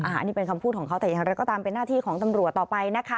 อันนี้เป็นคำพูดของเขาแต่อย่างไรก็ตามเป็นหน้าที่ของตำรวจต่อไปนะคะ